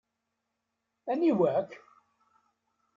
Aniwa-k?